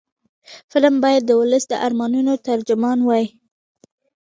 فلم باید د ولس د ارمانونو ترجمان وي